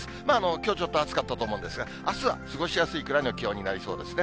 きょう、ちょっと暑かったと思うんですが、あすは過ごしやすいくらいの気温になりそうですね。